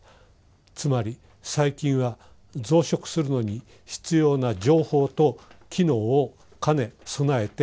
つまり細菌は増殖するのに必要な情報と機能を兼ね備えているわけです。